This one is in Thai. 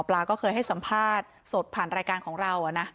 ปลาก็เคยให้สัมภาษณ์สดผ่านรายการของเรานะ